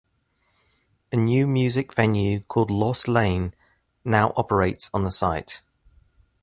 A new music venue called Lost Lane now operates on the site.